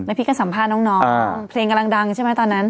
พี่ก็สัมภาษณ์น้องเพลงกำลังดังใช่ไหมตอนนั้น